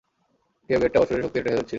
কেউ গেটটা অসুরের শক্তিতে ঠেলছিল!